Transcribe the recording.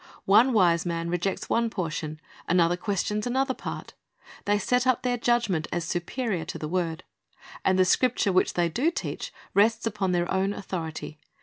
One wise man rejects one portion; another questions another part. They set up their judgment as superior to the word; and the Scripture which they do teach rests upon their own authority.